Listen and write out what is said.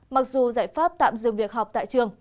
mặc dù giải pháp tạm dừng việc học tại trường